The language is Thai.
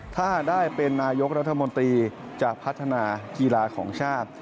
ถ้าได้เป็นนายกรัฐมนตรีจะพัฒนากีฬาของชาติ